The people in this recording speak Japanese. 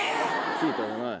チーターじゃない。